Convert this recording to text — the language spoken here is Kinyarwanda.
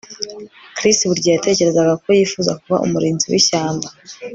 Chris buri gihe yatekerezaga ko yifuza kuba umurinzi wishyamba